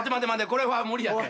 これは無理やって。